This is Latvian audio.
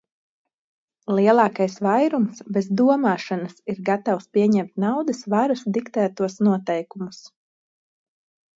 Lielākais vairums bez domāšanas ir gatavs pieņemt naudas varas diktētos noteikumus.